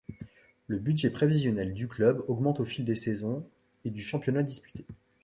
Le budget prévisionnel du club augmente au fil des saisons et du championnat disputé.